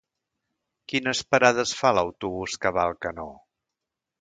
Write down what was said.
Quines parades fa l'autobús que va a Alcanó?